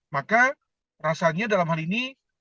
maka rasanya dalam hal ini